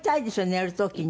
寝る時に。